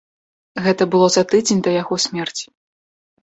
Гэта было за тыдзень да яго смерці.